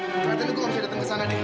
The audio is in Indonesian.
katanya gue gak bisa datang ke sana deh